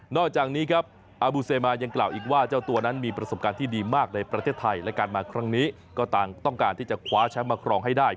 จากนี้ครับอาบูเซมายังกล่าวอีกว่าเจ้าตัวนั้นมีประสบการณ์ที่ดีมากในประเทศไทยและการมาครั้งนี้ก็ต่างต้องการที่จะคว้าแชมป์มาครองให้ได้